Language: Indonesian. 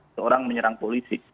seseorang menyerang polisi